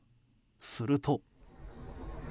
すると。